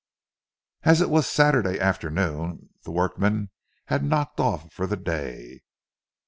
As it was Saturday afternoon, the workmen had knocked off for the day.